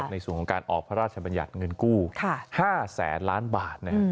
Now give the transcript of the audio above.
ในส่วนของการออกพระราชบัญญัติเงินกู้๕แสนล้านบาท